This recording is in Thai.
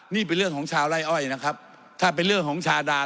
นี่เป็นเรื่องของชาวไล่อ้อยนะครับถ้าเป็นเรื่องของชาดา